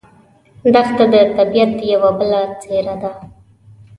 دښته د طبیعت یوه بله څېره ده.